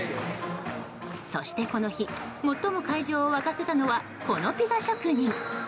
そして、この日最も会場を沸かせたのはこのピザ職人。